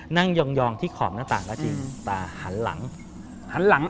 นั่งยองที่ขอบหน้าตาก็จริงแต่หันหลัง